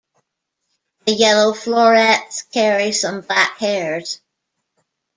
The yellow florets carry some black hairs.